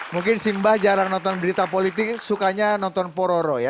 mungkin si mbah jarang nonton berita politik sukanya nonton pororo ya